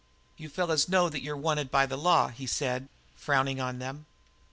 "You fellows know that you're wanted by the law," he said, frowning on them.